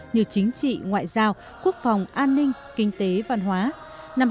như chính trị ngoại giao quốc phòng an ninh kinh tế văn hóa